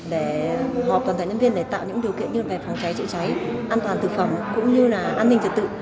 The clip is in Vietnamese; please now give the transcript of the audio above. để họp toàn thể nhân viên để tạo những điều kiện như về phòng cháy chữa cháy an toàn thực phẩm cũng như là an ninh trật tự